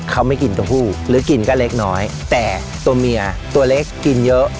เขาไม่กินตัวผู้หรือกินก็เล็กน้อยแต่ตัวเมียตัวเล็กกินเยอะ